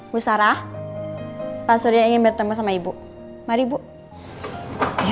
musara pasirnya ingin bertemu sama ibu mari bu ya baiknya